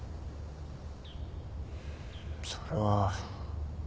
それは。